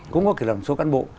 cũng có kỷ luật số cán bộ